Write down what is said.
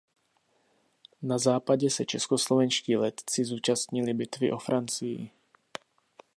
Na západě se českoslovenští letci zúčastnili bitvy o Francii.